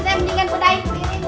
saya mendingan budaya begini